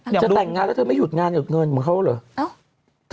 จะแต่งงานแล้วเธอไม่หยุดงานกับเงินเหมือนเขาเหรอ